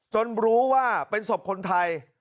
รู้ว่าเป็นศพคนไทย